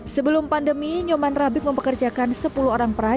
sebelum pandemi nyoman rabik mempekerjakan sepuluh orang perajin rata rata perempuan